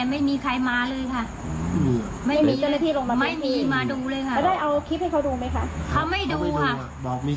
เออโมงมันรู้สึกว่าโทรธรรมก็